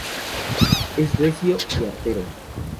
Es recio y artero.